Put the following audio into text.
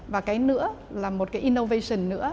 và cái nữa là một cái innovation nữa